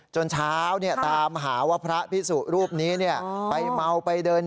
จนเช้าตามหาว่าพระพิสุรูปนี้ไปเมาไปเดิน